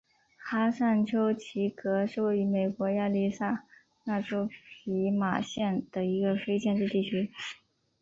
哈尚丘奇格是位于美国亚利桑那州皮马县的一个非建制地区。